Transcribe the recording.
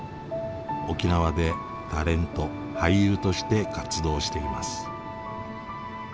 沖縄でタレント・俳優として活動しています。